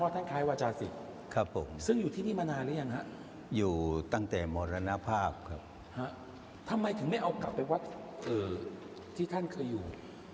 ทำไมถึงไม่เอากลับไปวัดที่ท่านเคยอยู่